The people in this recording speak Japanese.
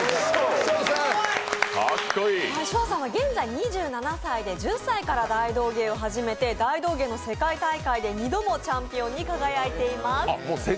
ＳＹＯ！さんは現在２７歳で１０歳から大道芸を始めて大道芸の世界大会で２度もチャンピオンに輝いてます。